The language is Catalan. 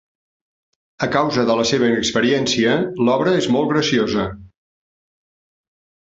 A causa de la seva inexperiència, l'obra és molt graciosa.